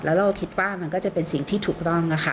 เราก็คิดว่ามันก็จะเป็นสิ่งที่ถูกต้อง